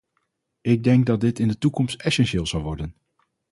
Ik denk dat dat in de toekomst essentieel zal worden.